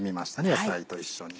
野菜と一緒に。